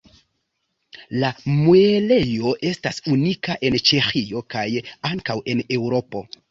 La muelejo estas unika en Ĉeĥio kaj ankaŭ en Eŭropo.